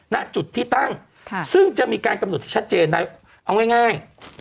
ณจุดที่ตั้งซึ่งจะมีการกำหนดที่ชัดเจนนะเอาง่าย